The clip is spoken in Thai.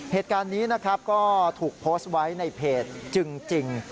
เหตุการณ์นี้ก็ถูกโพสต์ไว้ในเพจจึง